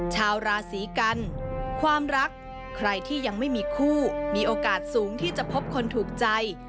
ชาวราศีกันความรักใครที่ยังไม่มีคู่มีโอกาสสูงที่จะพบคนถูกใจ